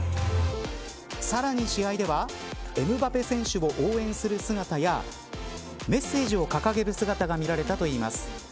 さらに試合ではエムバペ選手を応援する姿やメッセージを掲げる姿が見られたといいます。